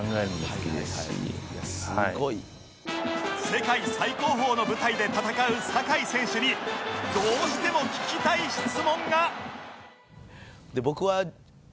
世界最高峰の舞台で戦う酒井選手にどうしても聞きたい質問が